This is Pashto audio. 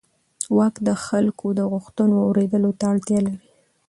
واک د خلکو د غوښتنو اورېدلو ته اړتیا لري.